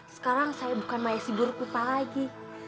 sekarang saya bukan maya sidur kupa lagi